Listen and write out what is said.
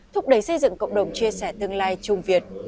thúc đẩy xây dựng cộng đồng chia sẻ tương lai chung việt